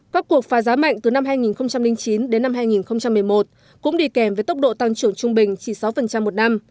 các cuộc phá giá mạnh từ năm hai nghìn chín đến năm hai nghìn một mươi một cũng đi kèm với tốc độ tăng trưởng trung bình chỉ sáu một năm